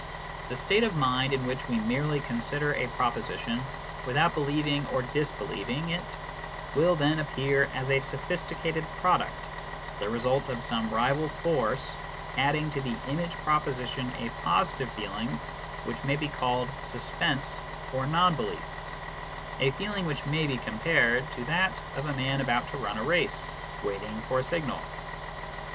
The state of mind in which we merely consider a proposition, without believing or dis believing it, will then appear as a sophisticated product, the result of some rival force adding to the image proposition a positive feeling which may be called suspense or non belief a feeling which may be compared to that of a man about to run a race, waiting for the signal.